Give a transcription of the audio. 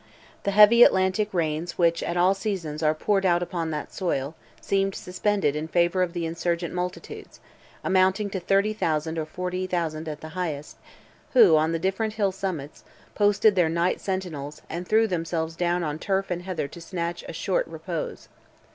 The heavy Atlantic rains which at all seasons are poured out upon that soil, seemed suspended in favour of the insurgent multitudes, amounting to 30,000, or 40,000 at the highest, who, on the different hill summits, posted their nightly sentinels, and threw themselves down on turf and heather to snatch a short repose.